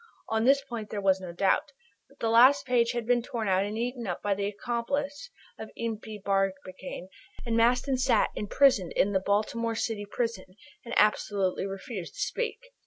On this point there was no doubt. But this last page had been torn out and eaten up by the accomplice of Impey Barbicane, and Maston sat imprisoned in the Baltimore City Prison and absolutely refused to speak.